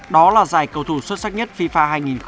đó là giải cầu thủ xuất sắc nhất fifa hai nghìn một mươi chín